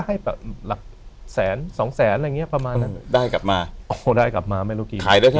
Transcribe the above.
ให้แสนสองแสนอะไรเงี้ยประมาณนั้นได้กลับมาเนี้ย